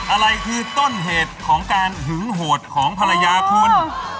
อะไรคือต้นเหตุของการหึงโหดของภรรยาคุณ